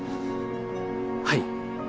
はい。